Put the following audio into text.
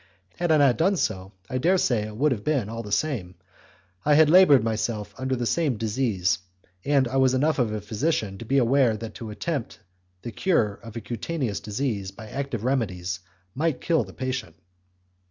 Had I not done so, I daresay it would have been all the same. I had laboured myself under the same disease, and I was enough of a physician to be aware that to attempt the cure of a cutaneous disease by active remedies might kill the patient.